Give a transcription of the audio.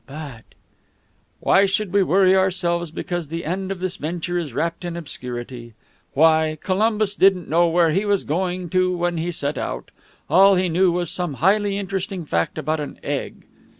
"But " "Why should we worry ourselves because the end of this venture is wrapped in obscurity? Why, Columbus didn't know where he was going to when he set out. All he knew was some highly interesting fact about an egg.